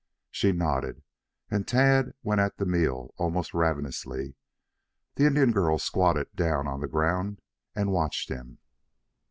She nodded and Tad went at the meal almost ravenously. The Indian girl squatted down on the ground and watched him.